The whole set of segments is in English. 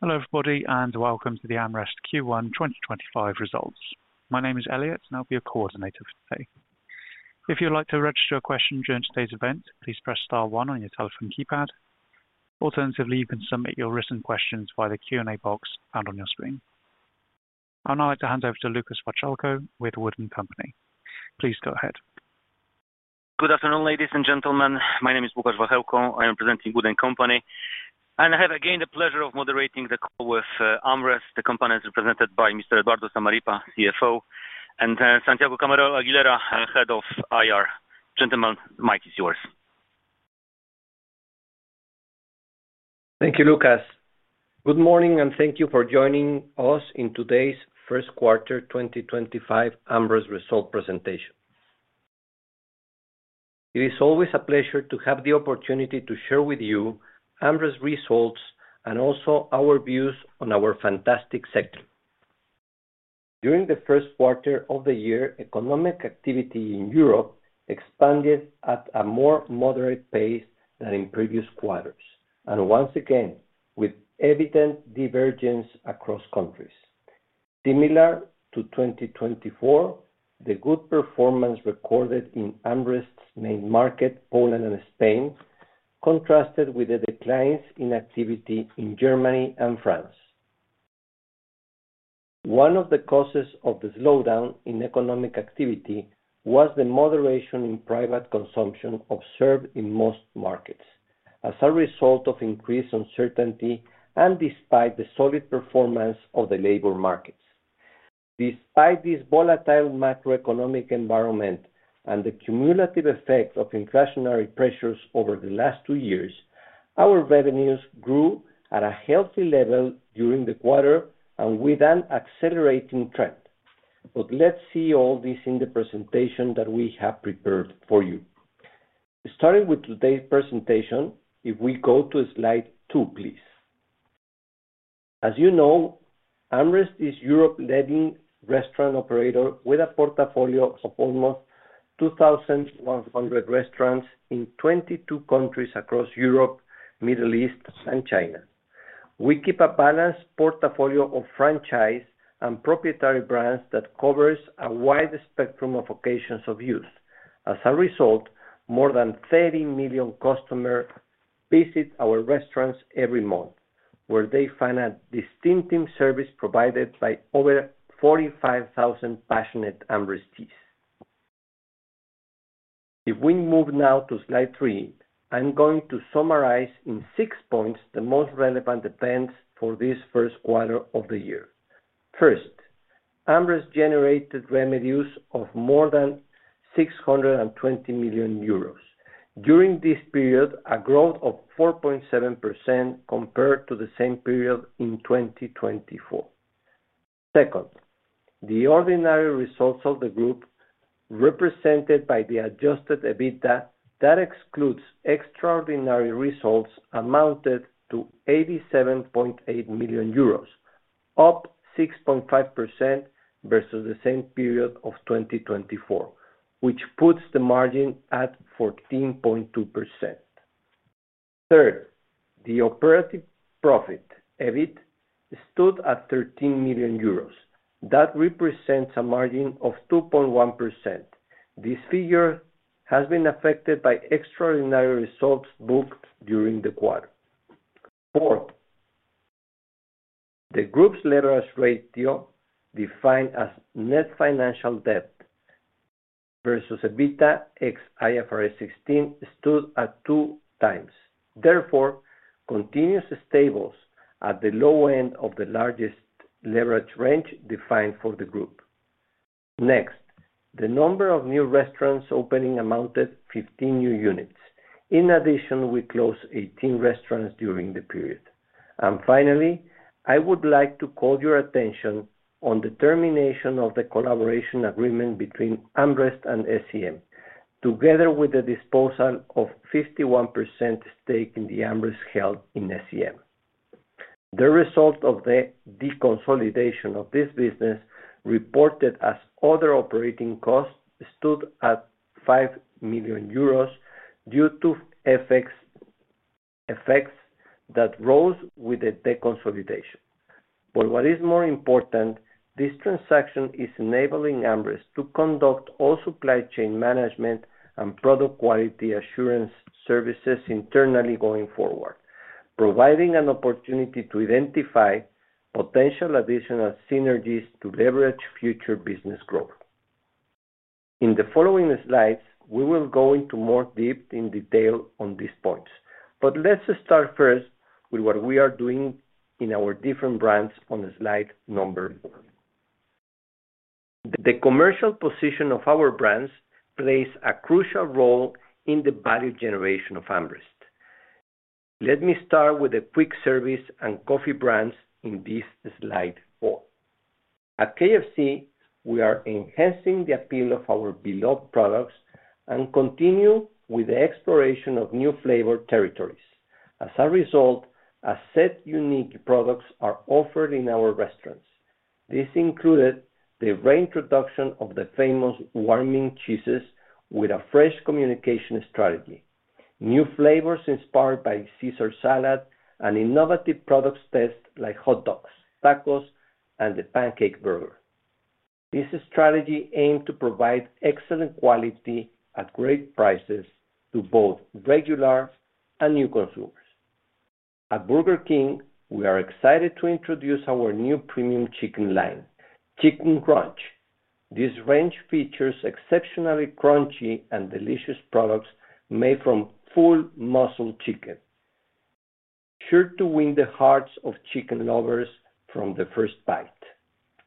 Hello everybody and welcome to the AmRest Q1 2025 results. My name is Elliot and I'll be your coordinator for today. If you'd like to register a question during today's event, please press star one on your telephone keypad. Alternatively, you can submit your written questions via the Q&A box found on your screen. I'd now like to hand over to Łukasz Wachełko with Wood & Company. Please go ahead. Good afternoon, ladies and gentlemen. My name is Łukasz Wachełko. I am representing Wood & Company and I have again the pleasure of moderating the call with AmRest, the companies represented by Mr. Eduardo Zamarripa, CFO, and Santiago Aguilera, Head of IR. Gentlemen, mic is yours. Thank you, Łukasz. Good morning and thank you for joining us in today's first quarter 2025 AmRest result presentation. It is always a pleasure to have the opportunity to share with you AmRest results and also our views on our fantastic sector. During the first quarter of the year, economic activity in Europe expanded at a more moderate pace than in previous quarters, and once again with evident divergence across countries. Similar to 2024, the good performance recorded in AmRest's main market, Poland and Spain, contrasted with the declines in activity in Germany and France. One of the causes of the slowdown in economic activity was the moderation in private consumption observed in most markets as a result of increased uncertainty and despite the solid performance of the labor markets. Despite this volatile macroeconomic environment and the cumulative effect of inflationary pressures over the last two years, our revenues grew at a healthy level during the quarter with an accelerating trend. Let's see all this in the presentation that we have prepared for you. Starting with today's presentation, if we go to slide two, please. As you know, AmRest is Europe's leading restaurant operator with a portfolio of almost 2,100 restaurants in 22 countries across Europe, the Middle East, and China. We keep a balanced portfolio of franchise and proprietary brands that covers a wide spectrum of occasions of use. As a result, more than 30 million customers visit our restaurants every month, where they find a distinctive service provided by over 45,000 passionate AmResties. If we move now to slide three, I'm going to summarize in six points the most relevant events for this first quarter of the year. First, AmRest generated revenues of more than 620 million euros. During this period, a growth of 4.7% compared to the same period in 2024. Second, the ordinary results of the group represented by the adjusted EBITDA that excludes extraordinary results amounted to 87.8 million euros, up 6.5% versus the same period of 2024, which puts the margin at 14.2%. Third, the operative profit (EBIT) stood at 13 million euros. That represents a margin of 2.1%. This figure has been affected by extraordinary results booked during the quarter. Fourth, the group's leverage ratio, defined as net financial debt versus EBITDA ex IFRS 16, stood at 2x. Therefore, continuous stables at the low end of the largest leverage range defined for the group. Next, the number of new restaurants opening amounted to 15 new units. In addition, we closed 18 restaurants during the period. Finally, I would like to call your attention on the termination of the collaboration agreement between AmRest and SEM, together with the disposal of a 51% stake that AmRest held in SEM. The result of the deconsolidation of this business reported as other operating costs stood at 5 million euros due to effects that rose with the deconsolidation. What is more important, this transaction is enabling AmRest to conduct all supply chain management and product quality assurance services internally going forward, providing an opportunity to identify potential additional synergies to leverage future business growth. In the following slides, we will go into more deep detail on these points, but let's start first with what we are doing in our different brands on slide number four. The commercial position of our brands plays a crucial role in the value generation of AmRest. Let me start with the quick service and coffee brands in this slide four. At KFC, we are enhancing the appeal of our beloved products and continue with the exploration of new flavor territories. As a result, a set of unique products are offered in our restaurants. This included the reintroduction of the famous Warming Cheeses with a fresh communication strategy, new flavors inspired by Caesar salad, and innovative product tests like hot dogs, tacos, and the Pancake Burger. This strategy aimed to provide excellent quality at great prices to both regular and new consumers. At Burger King, we are excited to introduce our new premium chicken line, Chicken Crunch. This range features exceptionally crunchy and delicious products made from full muscle chicken, sure to win the hearts of chicken lovers from the first bite.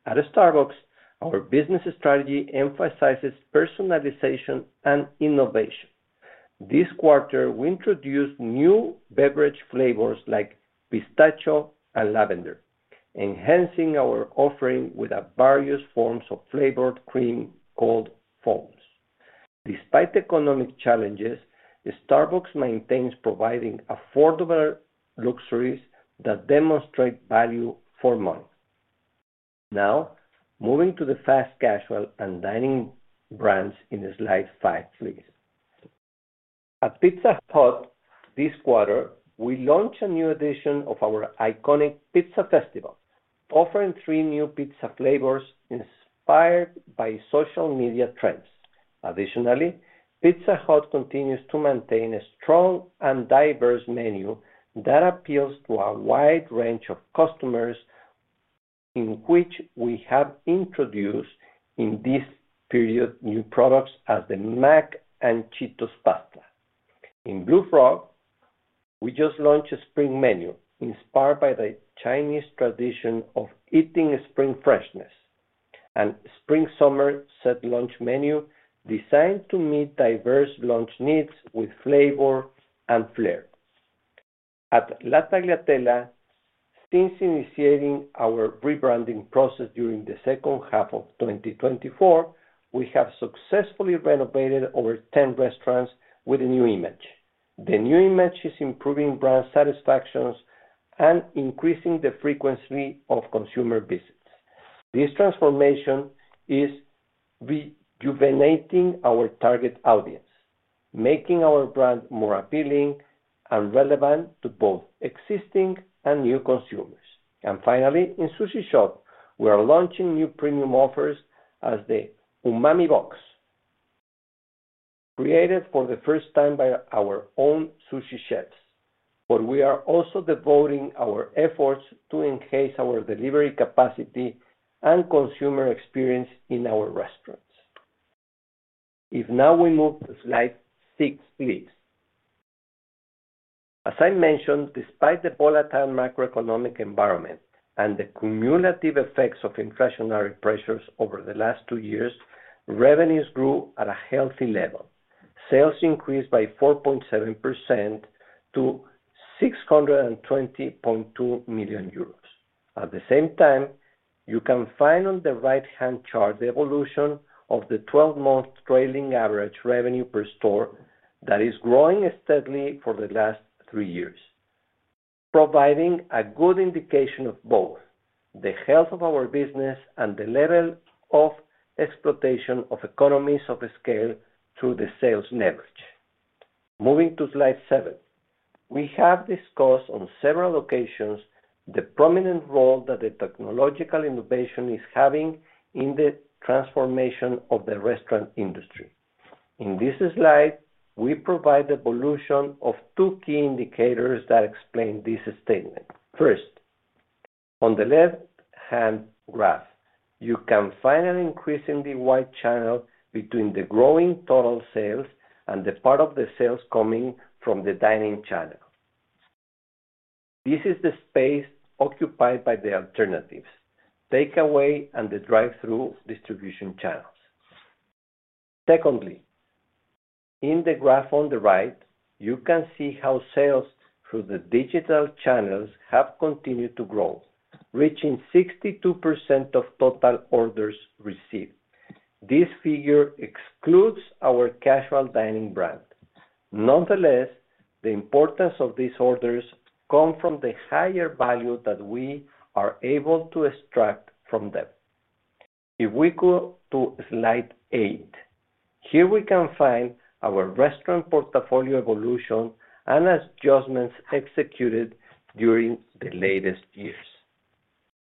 At Starbucks, our business strategy emphasizes personalization and innovation. This quarter, we introduced new beverage flavors like pistachio and lavender, enhancing our offering with various forms of flavored cream called foams. Despite economic challenges, Starbucks maintains providing affordable luxuries that demonstrate value for money. Now, moving to the fast casual and dining brands in slide five, please. At Pizza Hut, this quarter, we launched a new edition of our iconic Pizza Festival, offering three new pizza flavors inspired by social media trends. Additionally, Pizza Hut continues to maintain a strong and diverse menu that appeals to a wide range of customers, in which we have introduced in this period new products as the Mac and Cheetos Pasta. In Blue Frog, we just launched a Spring Menu inspired by the Chinese tradition of eating spring freshness, and Spring Summer Set Lunch Menu designed to meet diverse lunch needs with flavor and flair. At La Tagliatella, since initiating our rebranding process during the second half of 2024, we have successfully renovated over 10 restaurants with a new image. The new image is improving brand satisfaction and increasing the frequency of consumer visits. This transformation is rejuvenating our target audience, making our brand more appealing and relevant to both existing and new consumers. Finally, in Sushi Shop, we are launching new premium offers as the Umami Box, created for the first time by our own sushi chefs. We are also devoting our efforts to enhance our delivery capacity and consumer experience in our restaurants. If now we move to slide six, please. As I mentioned, despite the volatile macroeconomic environment and the cumulative effects of inflationary pressures over the last two years, revenues grew at a healthy level. Sales increased by 4.7% to 620.2 million euros. At the same time, you can find on the right-hand chart the evolution of the 12-month trailing average revenue per store that is growing steadily for the last three years, providing a good indication of both the health of our business and the level of exploitation of economies of scale through the sales leverage. Moving to slide seven, we have discussed on several occasions the prominent role that the technological innovation is having in the transformation of the restaurant industry. In this slide, we provide the evolution of two key indicators that explain this statement. First, on the left-hand graph, you can find an increase in the white channel between the growing total sales and the part of the sales coming from the dining channel. This is the space occupied by the alternatives, takeaway, and the drive-thru distribution channels. Secondly, in the graph on the right, you can see how sales through the digital channels have continued to grow, reaching 62% of total orders received. This figure excludes our casual dining brand. Nonetheless, the importance of these orders comes from the higher value that we are able to extract from them. If we go to slide eight, here we can find our restaurant portfolio evolution and adjustments executed during the latest years.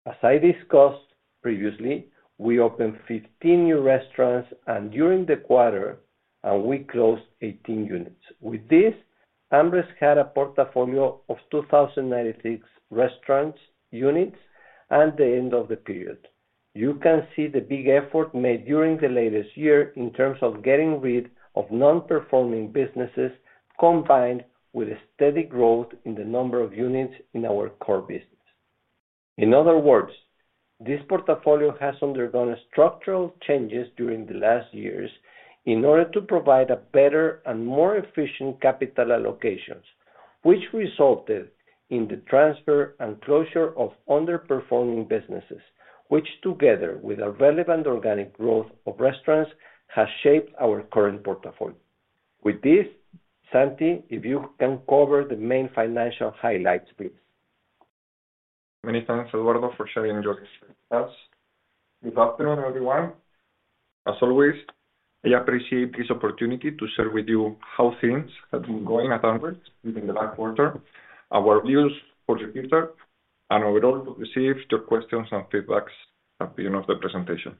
As I discussed previously, we opened 15 new restaurants during the quarter and we closed 18 units. With this, AmRest had a portfolio of 2,096 restaurant units at the end of the period. You can see the big effort made during the latest year in terms of getting rid of non-performing businesses, combined with steady growth in the number of units in our core business. In other words, this portfolio has undergone structural changes during the last years in order to provide a better and more efficient capital allocation, which resulted in the transfer and closure of underperforming businesses, which together with a relevant organic growth of restaurants has shaped our current portfolio. With this, Santi, if you can cover the main financial highlights, please. Many thanks, Eduardo, for sharing your insights. Good afternoon, everyone. As always, I appreciate this opportunity to share with you how things have been going at AmRest in the last quarter, our views for the future, and overall to receive your questions and feedback at the end of the presentation.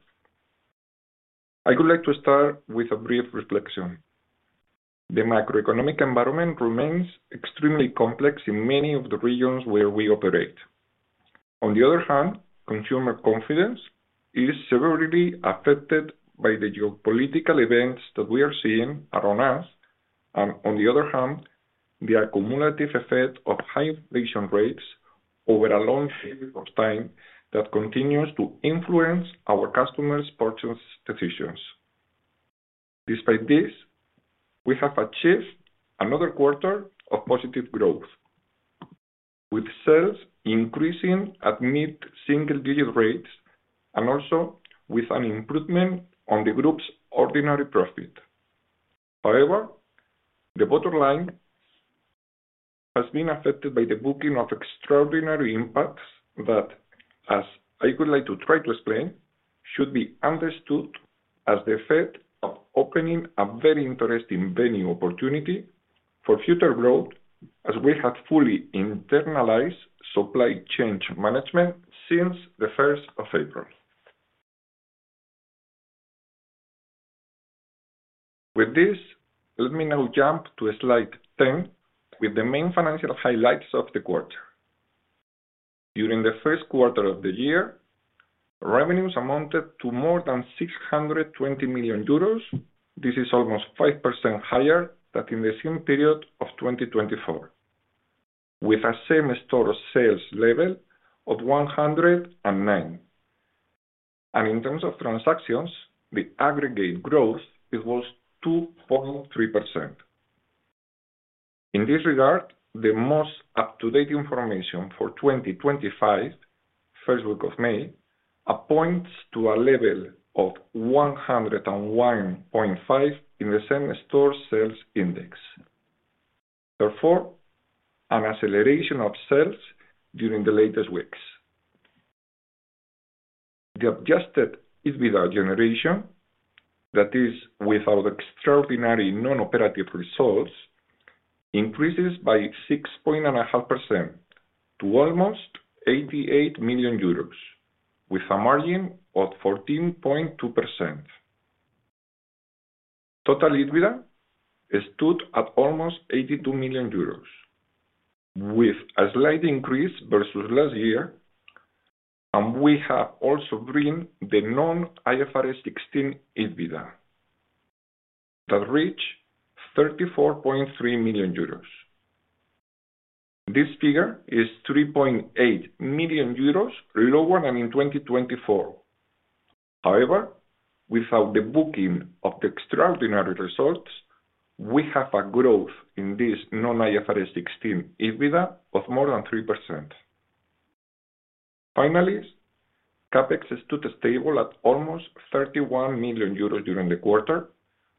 I would like to start with a brief reflection. The macroeconomic environment remains extremely complex in many of the regions where we operate. On the other hand, consumer confidence is severely affected by the geopolitical events that we are seeing around us, and on the other hand, the accumulative effect of high inflation rates over a long period of time that continues to influence our customers' purchase decisions. Despite this, we have achieved another quarter of positive growth, with sales increasing at mid-single-digit rates and also with an improvement on the group's ordinary profit. However, the bottom line has been affected by the booking of extraordinary impacts that, as I would like to try to explain, should be understood as the effect of opening a very interesting venue opportunity for future growth as we have fully internalized supply chain management since the 1st of April. With this, let me now jump to slide 10 with the main financial highlights of the quarter. During the first quarter of the year, revenues amounted to more than 620 million euros. This is almost 5% higher than in the same period of 2024, with a same-store sales level of 109. In terms of transactions, the aggregate growth was 2.3%. In this regard, the most up-to-date information for 2025, first week of May, points to a level of 101.5 in the same store sales index. Therefore, an acceleration of sales during the latest weeks. The adjusted EBITDA generation, that is, without extraordinary non-operative results, increases by 6.5% to almost 88 million euros, with a margin of 14.2%. Total EBITDA stood at almost 82 million euros, with a slight increase versus last year, and we have also bring the non-IFRS 16 EBITDA that reached 34.3 million euros. This figure is 3.8 million euros lower than in 2024. However, without the booking of the extraordinary results, we have a growth in this non-IFRS 16 EBITDA of more than 3%. Finally, CapEx stood stable at almost 31 million euros during the quarter,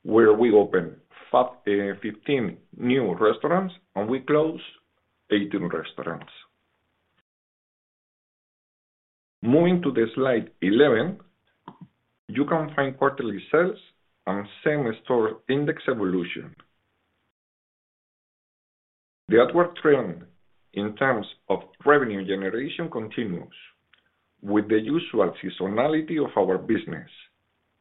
where we opened 15 new restaurants and we closed 18 restaurants. Moving to slide 11, you can find quarterly sales and same-store index evolution. The upward trend in terms of revenue generation continues with the usual seasonality of our business,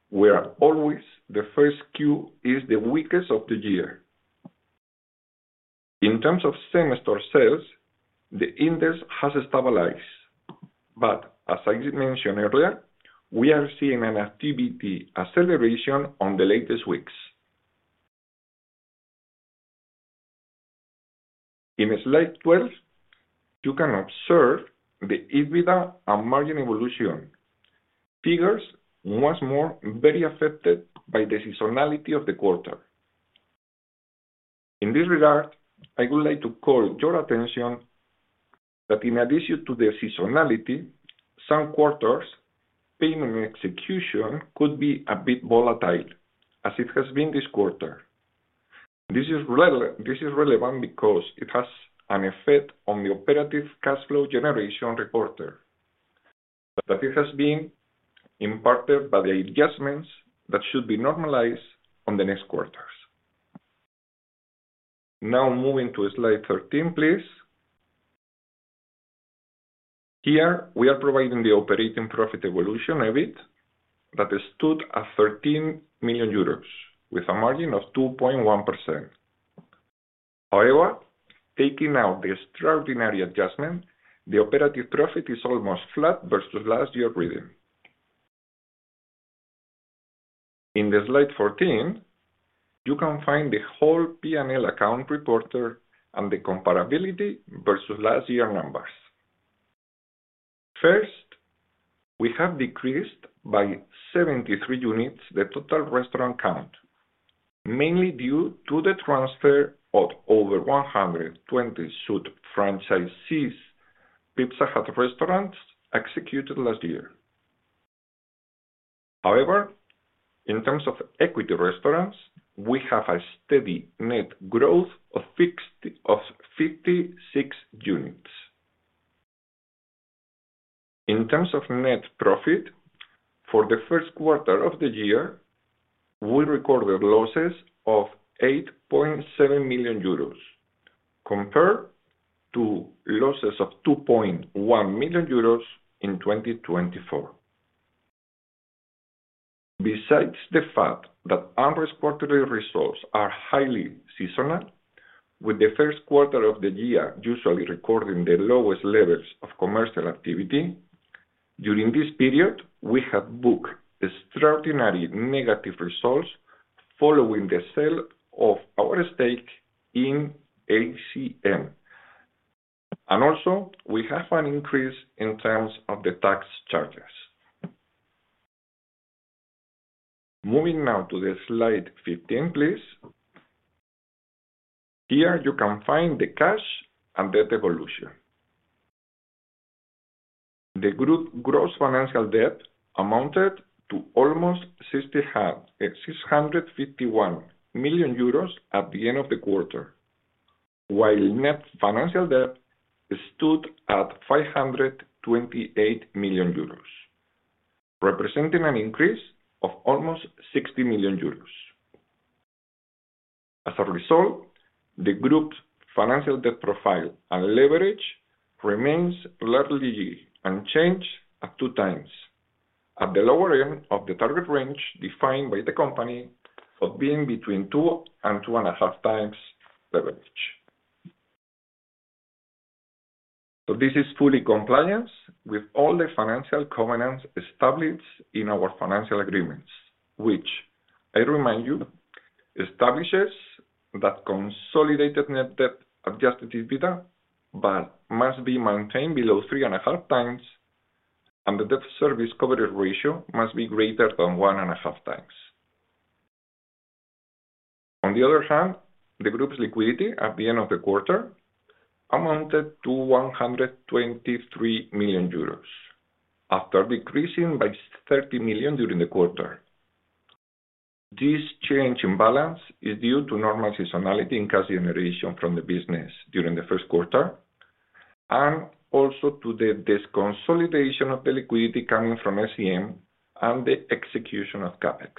where always the first Q is the weakest of the year. In terms of same-store sales, the index has stabilized, but as I mentioned earlier, we are seeing an activity acceleration in the latest weeks. In slide 12, you can observe the EBITDA and margin evolution figures once more very affected by the seasonality of the quarter. In this regard, I would like to call your attention that in addition to the seasonality, some quarters' payment execution could be a bit volatile, as it has been this quarter. This is relevant because it has an effect on the operative cash flow generation report that has been imparted by the adjustments that should be normalized in the next quarters. Now, moving to slide 13, please. Here, we are providing the operating profit evolution of it that stood at 13 million euros, with a margin of 2.1%. However, taking out the extraordinary adjustment, the operative profit is almost flat versus last year's reading. In slide 14, you can find the whole P&L account report and the comparability versus last year's numbers. First, we have decreased by 73 units the total restaurant count, mainly due to the transfer of over 120 suite franchisees Pizza Hut restaurants executed last year. However, in terms of equity restaurants, we have a steady net growth of 56 units. In terms of net profit for the first quarter of the year, we recorded losses of 8.7 million euros compared to losses of 2.1 million euros in 2024. Besides the fact that AmRest quarterly results are highly seasonal, with the first quarter of the year usually recording the lowest levels of commercial activity, during this period, we have booked extraordinary negative results following the sale of our stake in ACM. Also, we have an increase in terms of the tax charges. Moving now to slide 15, please. Here, you can find the cash and debt evolution. The group gross financial debt amounted to almost 651 million euros at the end of the quarter, while net financial debt stood at 528 million euros, representing an increase of almost 60 million euros. As a result, the group's financial debt profile and leverage remain largely unchanged at 2 times at the lower end of the target range defined by the company of being between 2 and 2.5 times leverage. This is fully compliant with all the financial covenants established in our financial agreements, which, I remind you, establishes that consolidated net debt adjusted EBITDA must be maintained below 3.5 times, and the debt service coverage ratio must be greater than 1.5 times. On the other hand, the group's liquidity at the end of the quarter amounted to 123 million euros after decreasing by 30 million during the quarter. This change in balance is due to normal seasonality in cash generation from the business during the first quarter and also to the deconsolidation of the liquidity coming from ACM and the execution of CapEx.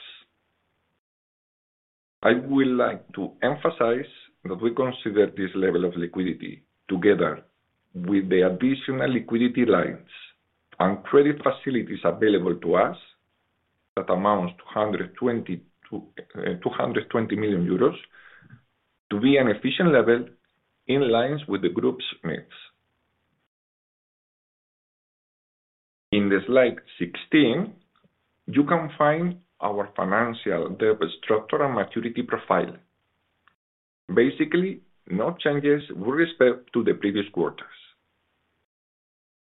I would like to emphasize that we consider this level of liquidity together with the additional liquidity lines and credit facilities available to us that amount to 220 million euros to be an efficient level in line with the group's needs. In slide 16, you can find our financial debt structure and maturity profile. Basically, no changes with respect to the previous quarters.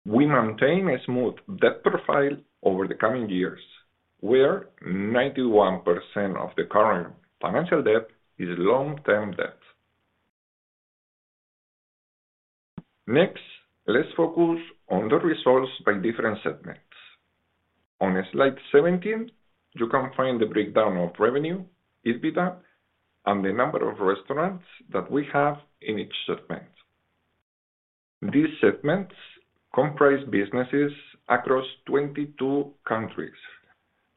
We maintain a smooth debt profile over the coming years, where 91% of the current financial debt is long-term debt. Next, let's focus on the results by different segments. On slide 17, you can find the breakdown of revenue, EBITDA, and the number of restaurants that we have in each segment. These segments comprise businesses across 22 countries,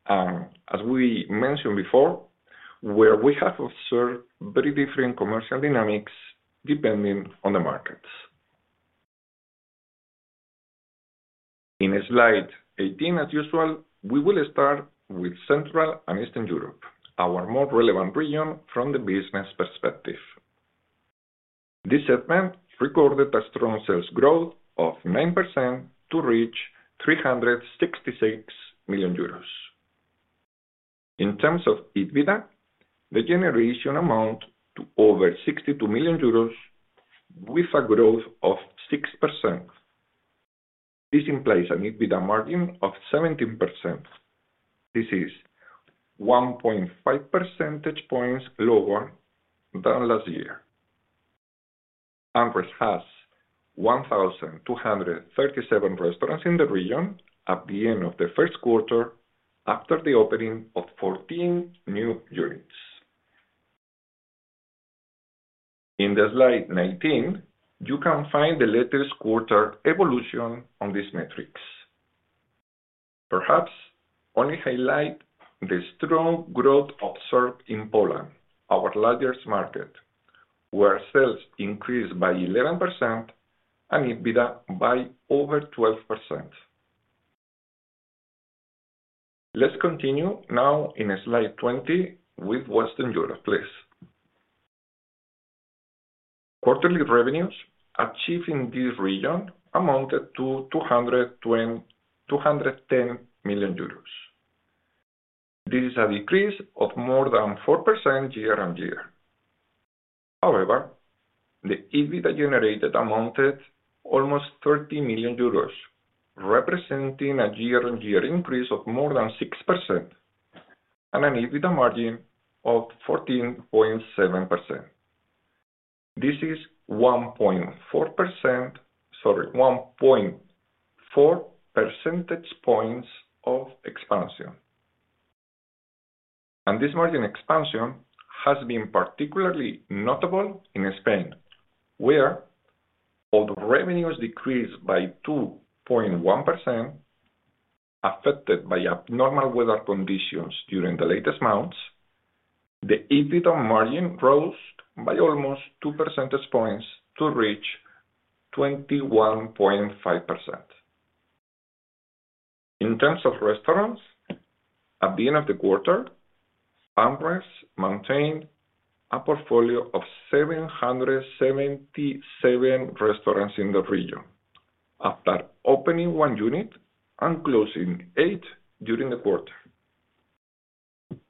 and as we mentioned before, where we have observed very different commercial dynamics depending on the markets. In slide 18, as usual, we will start with Central and Eastern Europe, our more relevant region from the business perspective. This segment recorded a strong sales growth of 9% to reach 366 million euros. In terms of EBITDA, the generation amounted to over 62 million euros, with a growth of 6%. This implies an EBITDA margin of 17%. This is 1.5 percentage points lower than last year. AmRest has 1,237 restaurants in the region at the end of the first quarter after the opening of 14 new units. In slide 19, you can find the latest quarter evolution on this matrix. Perhaps only highlight the strong growth observed in Poland, our largest market, where sales increased by 11% and EBITDA by over 12%. Let's continue now in slide 20 with Western Europe, please. Quarterly revenues achieved in this region amounted to 210 million euros. This is a decrease of more than 4% year-on-year. However, the EBITDA generated amounted to almost 30 million euros, representing a year-on-year increase of more than 6% and an EBITDA margin of 14.7%. This is 1.4 percentage points of expansion. This margin expansion has been particularly notable in Spain, where although revenues decreased by 2.1% affected by abnormal weather conditions during the latest months, the EBITDA margin rose by almost 2 percentage points to reach 21.5%. In terms of restaurants, at the end of the quarter, AmRest maintained a portfolio of 777 restaurants in the region after opening one unit and closing eight during the quarter.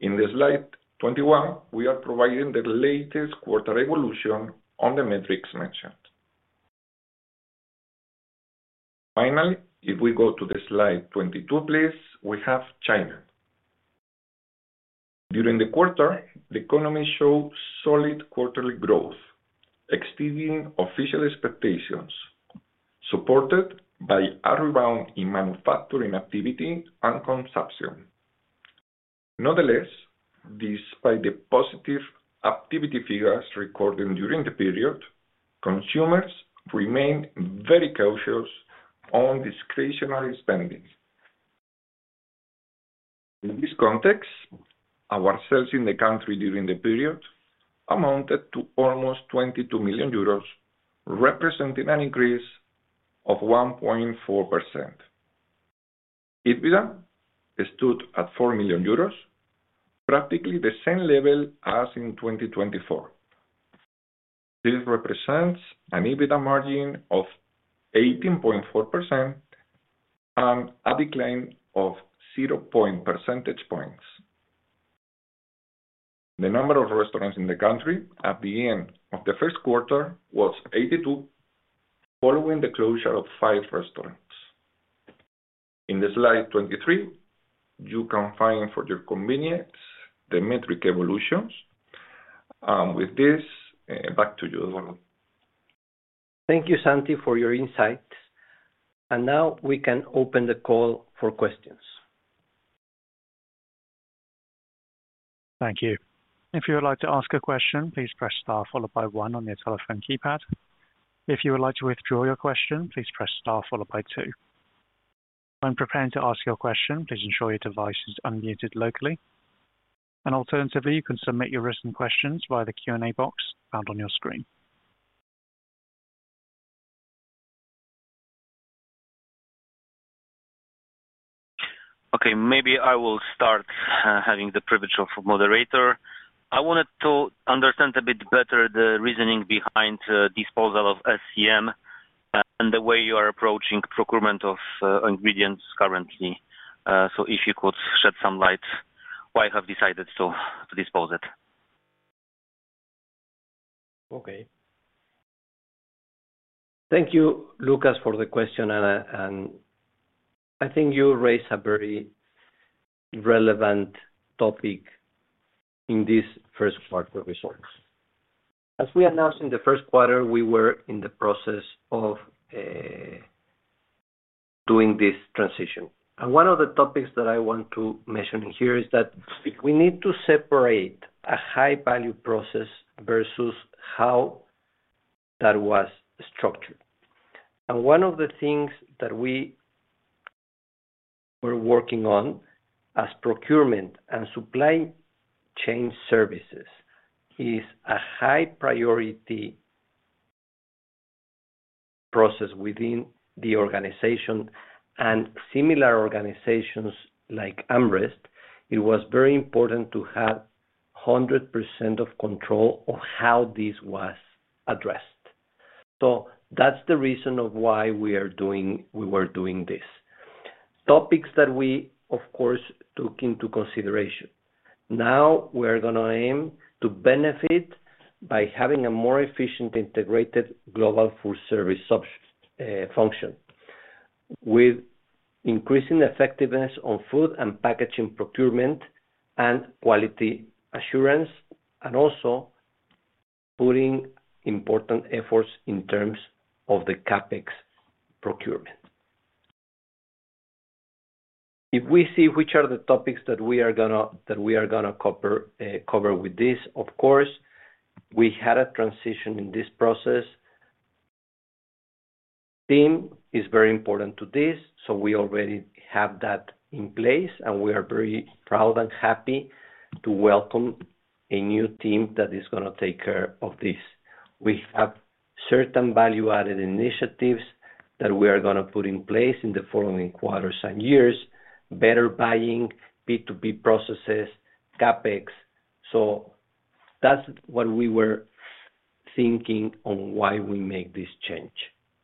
In slide 21, we are providing the latest quarter evolution on the matrix mentioned. Finally, if we go to slide 22, please, we have China. During the quarter, the economy showed solid quarterly growth, exceeding official expectations, supported by a rebound in manufacturing activity and consumption. Nonetheless, despite the positive activity figures recorded during the period, consumers remained very cautious on discretionary spending. In this context, our sales in the country during the period amounted to almost 22 million euros, representing an increase of 1.4%. EBITDA stood at 4 million euros, practically the same level as in 2024. This represents an EBITDA margin of 18.4% and a decline of 0.1 percentage points. The number of restaurants in the country at the end of the first quarter was 82, following the closure of five restaurants. In slide 23, you can find, for your convenience, the metric evolutions. With this, back to you, Eduardo. Thank you, Santi, for your insight. Now we can open the call for questions. Thank you. If you would like to ask a question, please press star followed by one on your telephone keypad. If you would like to withdraw your question, please press star followed by two. When preparing to ask your question, please ensure your device is unmuted locally. Alternatively, you can submit your written questions via the Q&A box found on your screen. Okay, maybe I will start having the privilege of a moderator. I wanted to understand a bit better the reasoning behind the disposal of SEM and the way you are approaching procurement of ingredients currently. If you could shed some light on why you have decided to dispose of it. Okay. Thank you, Łukasz, for the question. I think you raised a very relevant topic in this first quarter results. As we announced in the first quarter, we were in the process of doing this transition. One of the topics that I want to mention here is that we need to separate a high-value process versus how that was structured. One of the things that we were working on as procurement and supply chain services is a high-priority process within the organization. Similar organizations like AmRest, it was very important to have 100% control of how this was addressed. That is the reason why we were doing this. Topics that we, of course, took into consideration. Now we are going to aim to benefit by having a more efficient integrated global food service function, with increasing effectiveness on food and packaging procurement and quality assurance, and also putting important efforts in terms of the CapEx procurement. If we see which are the topics that we are going to cover with this, of course, we had a transition in this process. The team is very important to this, so we already have that in place, and we are very proud and happy to welcome a new team that is going to take care of this. We have certain value-added initiatives that we are going to put in place in the following quarters and years: better buying, B2B processes, CapEx. That is what we were thinking on why we made this change.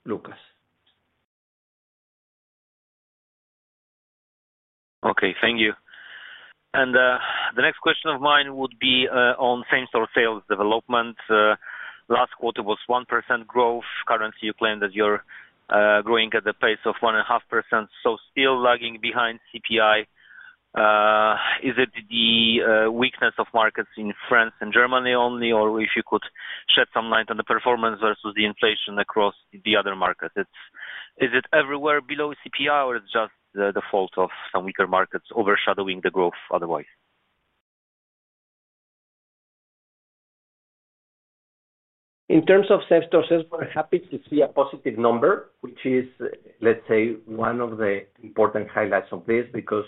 Łukasz. Okay, thank you. The next question of mine would be on same-store sales development. Last quarter was 1% growth. Currently, you claim that you are growing at a pace of 1.5%, so still lagging behind CPI. Is it the weakness of markets in France and Germany only, or if you could shed some light on the performance versus the inflation across the other markets? Is it everywhere below CPI, or is it just the fault of some weaker markets overshadowing the growth otherwise? In terms of same-store sales, we're happy to see a positive number, which is, let's say, one of the important highlights of this because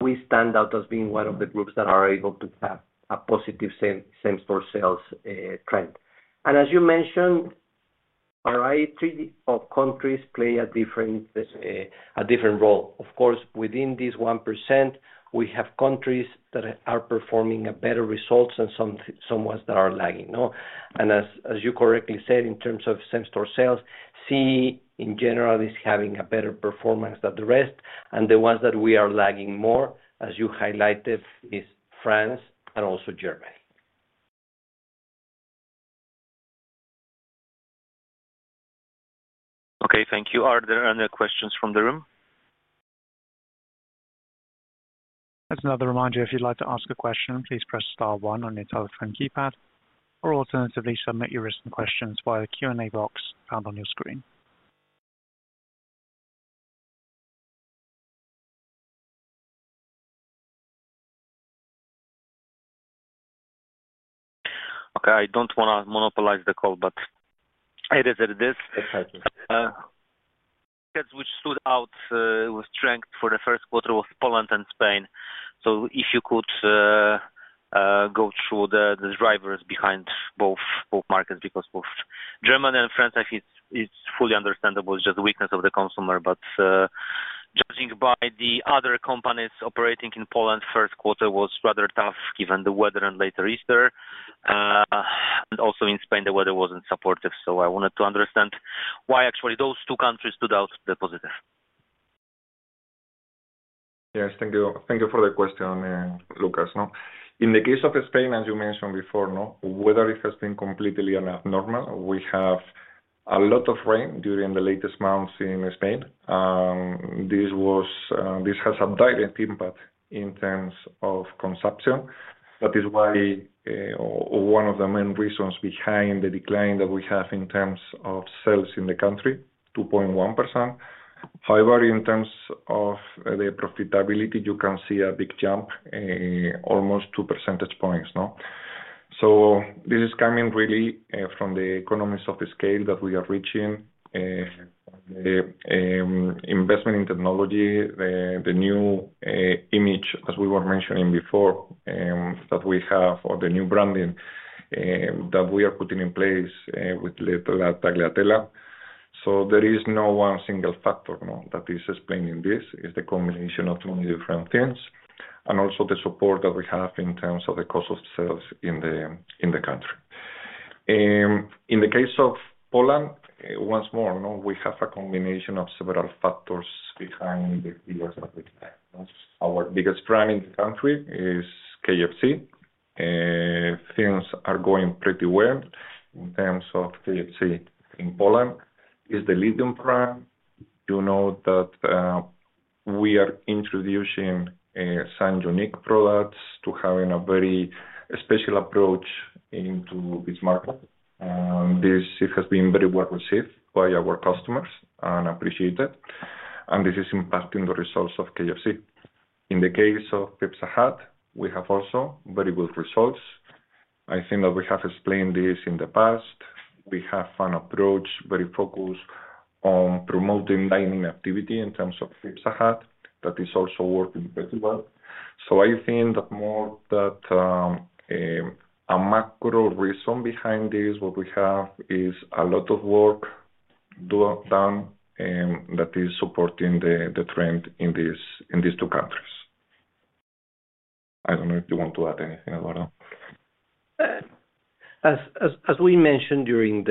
we stand out as being one of the groups that are able to have a positive same-store sales trend. As you mentioned, a variety of countries play a different role. Of course, within this 1%, we have countries that are performing better results and some ones that are lagging. As you correctly said, in terms of same-store sales, CE in general is having a better performance than the rest. The ones that we are lagging more, as you highlighted, are France and also Germany. Okay, thank you. Are there any other questions from the room? As another reminder, if you'd like to ask a question, please press star one on your telephone keypad or alternatively submit your written questions via the Q&A box found on your screen. Okay, I don't want to monopolize the call, but it is what it is. Markets which stood out with strength for the first quarter were Poland and Spain. If you could go through the drivers behind both markets, because both Germany and France, I think it's fully understandable, it's just the weakness of the consumer. Judging by the other companies operating in Poland, the first quarter was rather tough given the weather and later Easter. Also in Spain, the weather wasn't supportive. I wanted to understand why actually those two countries stood out positively. Yes, thank you for the question, Łukasz. In the case of Spain, as you mentioned before, the weather has been completely abnormal. We have a lot of rain during the latest months in Spain. This has a direct impact in terms of consumption. That is why one of the main reasons behind the decline that we have in terms of sales in the country is 2.1%. However, in terms of the profitability, you can see a big jump, almost 2 percentage points. This is coming really from the economies of scale that we are reaching, the investment in technology, the new image, as we were mentioning before, that we have, or the new branding that we are putting in place with La Tagliatella. There is no one single factor that is explaining this. It's the combination of many different things and also the support that we have in terms of the cost of sales in the country. In the case of Poland, once more, we have a combination of several factors behind the figures that we have. Our biggest brand in the country is KFC. Things are going pretty well in terms of KFC in Poland. It's the leading brand. You know that we are introducing Saint-Johnny products to have a very special approach into this market. This has been very well received by our customers and appreciated. This is impacting the results of KFC. In the case of Pizza Hut, we have also very good results. I think that we have explained this in the past. We have an approach very focused on promoting dining activity in terms of Pizza Hut. That is also working pretty well. I think that more than a macro reason behind this, what we have is a lot of work done that is supporting the trend in these two countries. I do not know if you want to add anything, Eduardo. As we mentioned during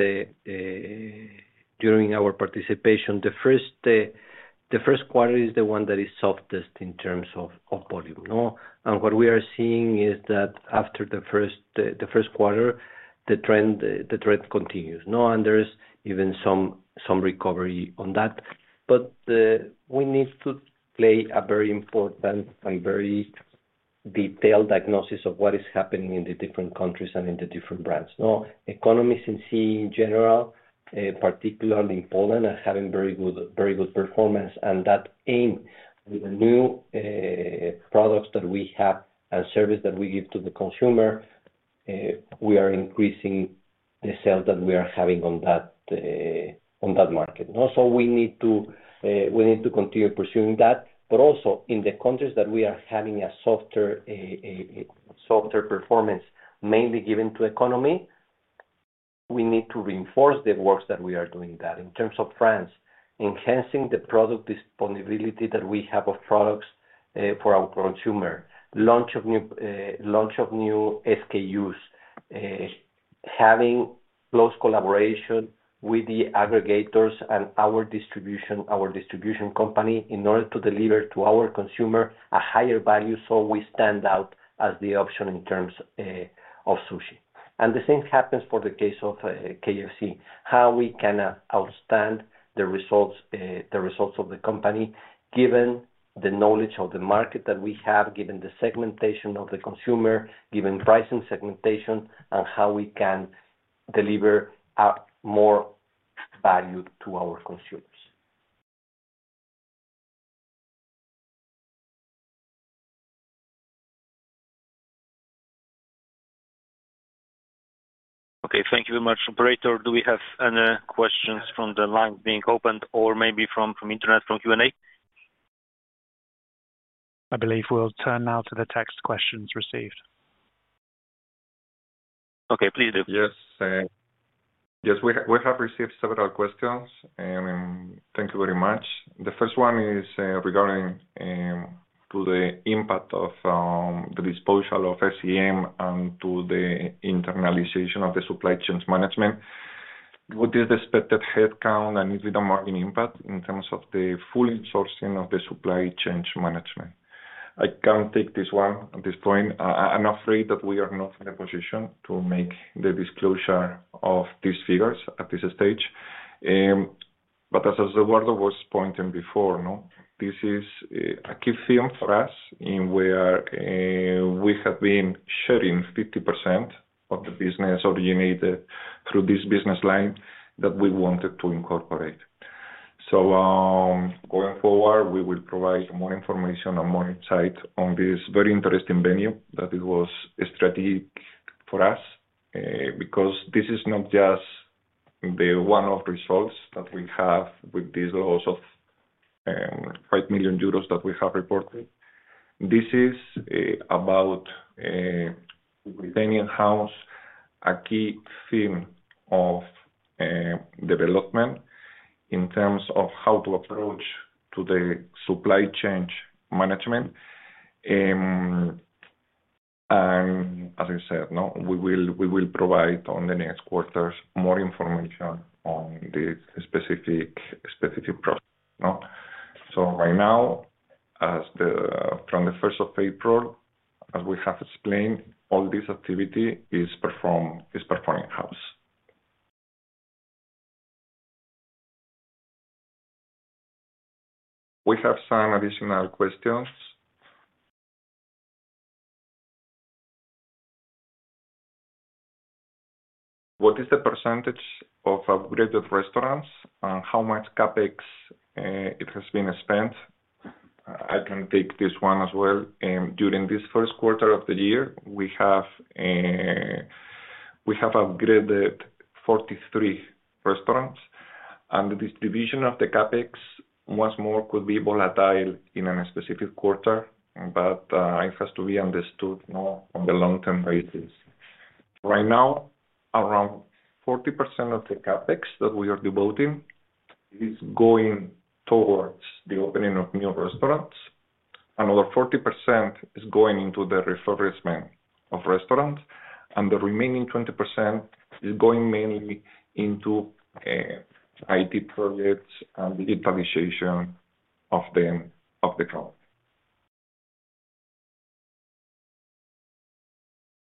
our participation, the first quarter is the one that is softest in terms of volume. What we are seeing is that after the first quarter, the trend continues. There is even some recovery on that. We need to play a very important and very detailed diagnosis of what is happening in the different countries and in the different brands. Economies in CE in general, particularly in Poland, are having very good performance. That, along with the new products that we have and service that we give to the consumer, means we are increasing the sales that we are having in that market. We need to continue pursuing that. Also, in the countries that are having a softer performance, mainly due to the economy, we need to reinforce the work that we are doing there. In terms of France, enhancing the product availability that we have for our consumer, launch of new SKUs, having close collaboration with the aggregators and our distribution company in order to deliver to our consumer a higher value so we stand out as the option in terms of sushi. The same happens for the case of KFC, how we can outstand the results of the company given the knowledge of the market that we have, given the segmentation of the consumer, given pricing segmentation, and how we can deliver more value to our consumers. Okay, thank you very much. Operator, do we have any questions from the lines being opened or maybe from the internet, from Q&A? I believe we'll turn now to the text questions received. Okay, please do. Yes. We have received several questions. Thank you very much. The first one is regarding the impact of the disposal of SEM and the internalization of the supply chain management. What is the expected headcount and is it a margin impact in terms of the full insourcing of the supply chain management? I can't take this one at this point. I'm afraid that we are not in a position to make the disclosure of these figures at this stage. As Eduardo was pointing before, this is a key field for us in where we have been shedding 50% of the business originated through this business line that we wanted to incorporate. Going forward, we will provide more information and more insight on this very interesting venue that it was a strategy for us because this is not just the one-off results that we have with these losses of 5 million euros that we have reported. This is about within any house, a key theme of development in terms of how to approach to the supply chain management. As I said, we will provide on the next quarter more information on the specific process. Right now, from the 1st of April, as we have explained, all this activity is performed in-house. We have some additional questions. What is the percentage of upgraded restaurants and how much CapEx has been spent? I can take this one as well. During this first quarter of the year, we have upgraded 43 restaurants. The distribution of the CapEx, once more, could be volatile in a specific quarter, but it has to be understood on a long-term basis. Right now, around 40% of the CapEx that we are devoting is going towards the opening of new restaurants. Another 40% is going into the refurbishment of restaurants, and the remaining 20% is going mainly into IT projects and digitalization of the company.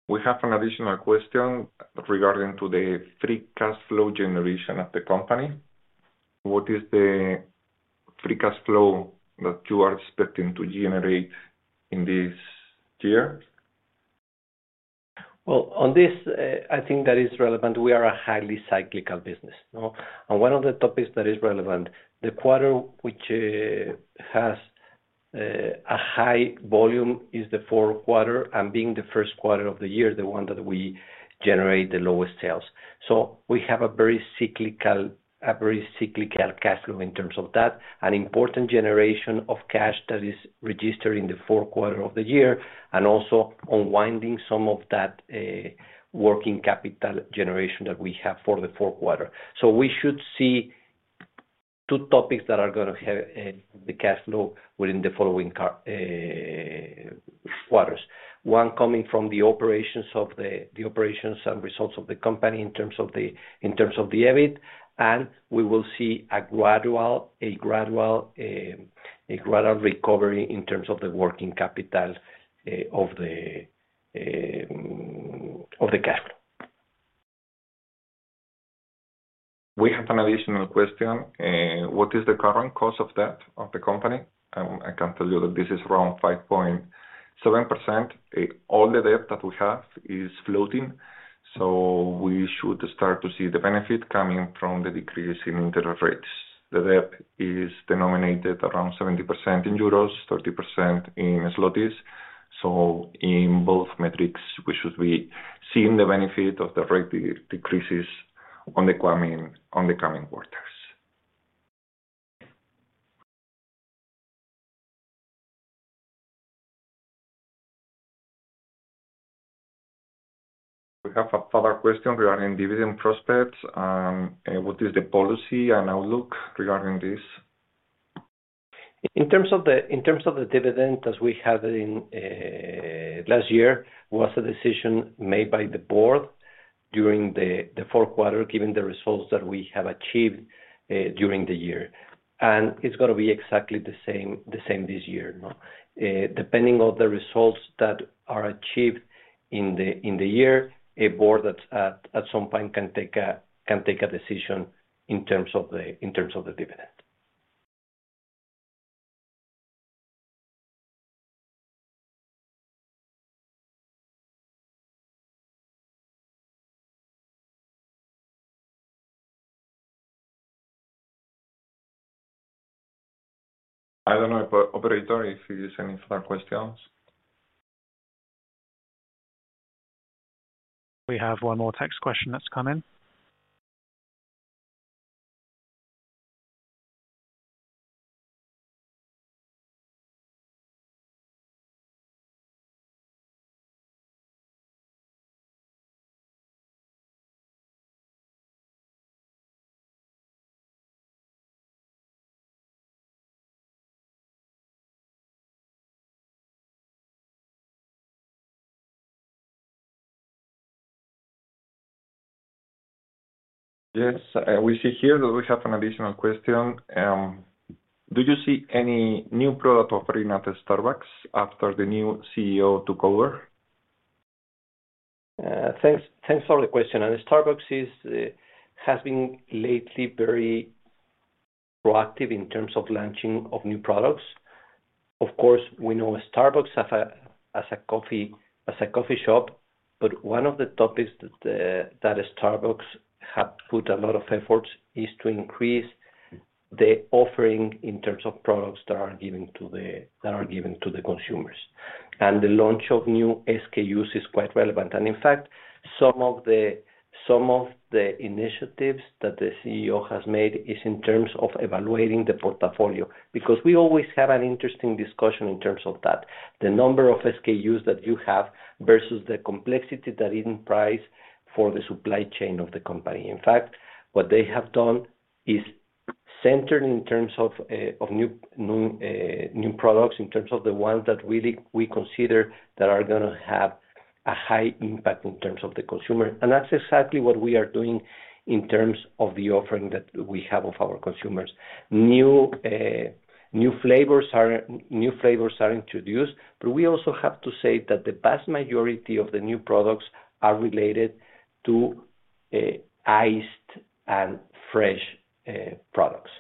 We have an additional question regarding the free cash flow generation of the company. What is the free cash flow that you are expecting to generate in this year? On this, I think that is relevant. We are a highly cyclical business. One of the topics that is relevant, the quarter which has a high volume is the fourth quarter, and being the first quarter of the year, the one that we generate the lowest sales. We have a very cyclical cash flow in terms of that, an important generation of cash that is registered in the fourth quarter of the year, and also unwinding some of that working capital generation that we have for the fourth quarter. We should see two topics that are going to have the cash flow within the following quarters. One coming from the operations and results of the company in terms of the EBIT, and we will see a gradual recovery in terms of the working capital of the cash flow. We have an additional question. What is the current cost of debt of the company? I can tell you that this is around 5.7%. All the debt that we have is floating, so we should start to see the benefit coming from the decrease in interest rates. The debt is denominated around 70% in euros, 30% in zlotys. In both metrics, we should be seeing the benefit of the rate decreases in the coming quarters. We have a further question regarding dividend prospects. What is the policy and outlook regarding this? In terms of the dividend that we had last year, it was a decision made by the board during the fourth quarter, given the results that we have achieved during the year. It is going to be exactly the same this year. Depending on the results that are achieved in the year, a board at some point can take a decision in terms of the dividend. I do not know, Operator, if there are any further questions. We have one more text question that has come in. Yes, we see here that we have an additional question. Do you see any new product offering at Starbucks after the new CEO took over? Thanks for the question. Starbucks has been lately very proactive in terms of launching new products. Of course, we know Starbucks as a coffee shop, but one of the topics that Starbucks has put a lot of effort on is to increase the offering in terms of products that are given to the consumers. The launch of new SKUs is quite relevant. In fact, some of the initiatives that the CEO has made are in terms of evaluating the portfolio. We always have an interesting discussion in terms of that, the number of SKUs that you have versus the complexity that it implies for the supply chain of the company. In fact, what they have done is centered in terms of new products, in terms of the ones that really we consider that are going to have a high impact in terms of the consumer. That is exactly what we are doing in terms of the offering that we have of our consumers. New flavors are introduced, but we also have to say that the vast majority of the new products are related to iced and fresh products.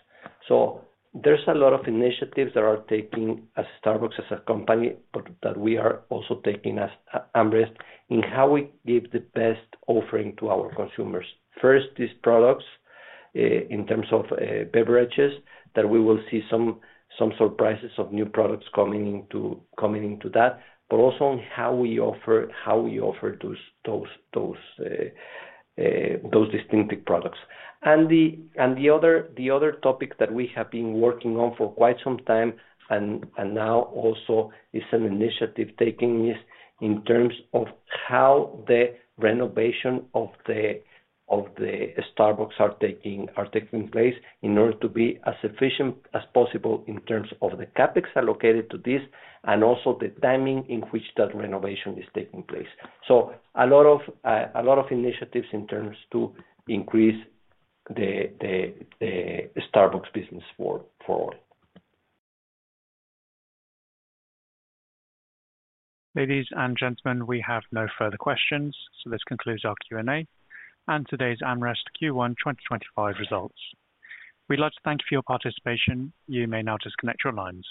There are a lot of initiatives that are taking Starbucks as a company, but that we are also taking as AmRest in how we give the best offering to our consumers. First, these products in terms of beverages, that we will see some surprises of new products coming into that, but also in how we offer those distinctive products. The other topic that we have been working on for quite some time, and now also is an initiative taking this in terms of how the renovation of the Starbucks are taking place in order to be as efficient as possible in terms of the CapEx allocated to this, and also the timing in which that renovation is taking place. A lot of initiatives in terms to increase the Starbucks business forward. Ladies and gentlemen, we have no further questions, so this concludes our Q&A and today's AmRest Q1 2025 results. We'd like to thank you for your participation. You may now disconnect your lines.